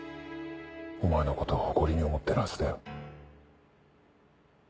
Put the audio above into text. お前のことを誇りに思ってるはずだよ。